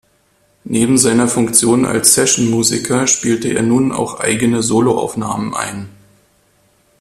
Neben seiner Funktion als Session-Musiker spielte er nun auch eigene Soloaufnahmen ein.